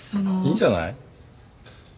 いいんじゃない？